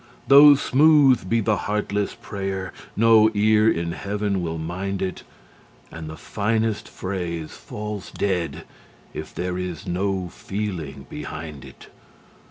Though smooth be the heartless prayer, no ear in Heaven will mind it, And the finest phrase falls dead if there is no feeling behind it.